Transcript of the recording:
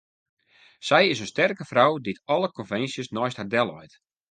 Sy is in sterke frou dy't alle konvinsjes neist har delleit.